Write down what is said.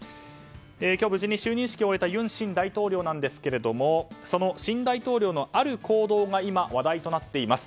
今日、無事に就任式を終えた尹新大統領ですがその新大統領のある行動が今、話題となっています。